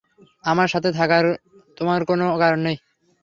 আমার সাথে থাকার তোমাদের কোনো কারণ নেই।